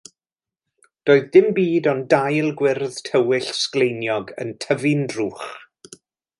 Doedd dim byd ond dail gwyrdd tywyll, sgleiniog yn tyfu'n drwch.